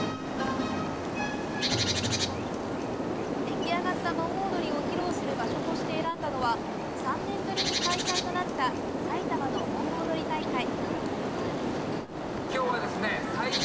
出来上がった盆踊りを披露する場所として選んだのは３年ぶりに開催となったさいたまの盆踊り大会。